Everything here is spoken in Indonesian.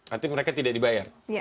artinya mereka tidak dibayar